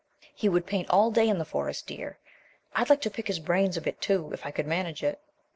"He would paint all day in the Forest, dear. I'd like to pick his brains a bit, too, if I could manage it."